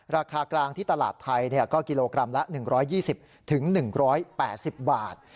ราคากลางที่ตลาดไทยก็กิโลกรัมละ๑๒๐๑๘๐บาท